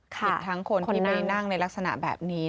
ผิดทั้งคนที่ไปนั่งในลักษณะแบบนี้